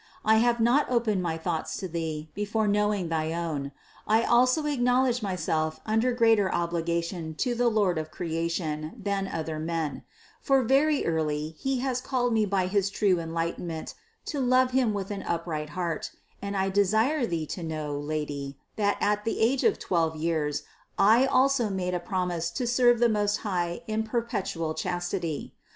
I have not opened my thoughts to Thee be fore knowing thy own. I also acknowledge myself un der greater obligation to the Lord of creation than other men; for very early He has called me by his true en lightenment to love Him with an upright heart; and I desire Thee to know, Lady, that at the age of twelve years I also made a promise to serve the Most High in perpetual chastity.